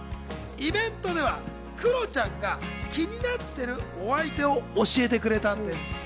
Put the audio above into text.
イベントではクロちゃんが気になっているお相手を教えてくれたんです。